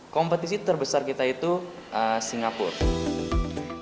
kompetisi terbesar kita itu singapura